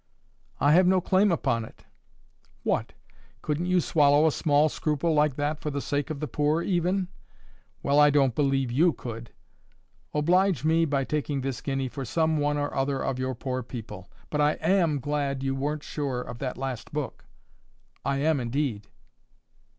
"I have no claim upon it." "What! Couldn't you swallow a small scruple like that for the sake of the poor even? Well, I don't believe YOU could.—Oblige me by taking this guinea for some one or other of your poor people. But I AM glad you weren't sure of that last book. I am indeed."